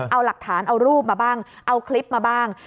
เอาหลักฐานเอารูปมาบ้างเอาคลิปมาบ้าง